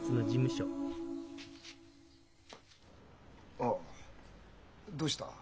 あっどうした？